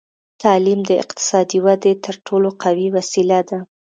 تعلیم د اقتصادي ودې تر ټولو قوي وسیله ده.